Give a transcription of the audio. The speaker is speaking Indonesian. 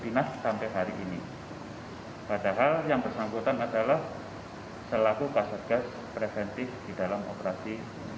dinas sampai hari ini padahal yang bersangkutan adalah selaku kasar gas preventif di dalam operasi